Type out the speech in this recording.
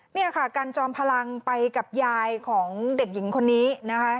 เนี่ยค่ะกันจอมพลังไปกับยายของเด็กหญิงคนนี้นะคะ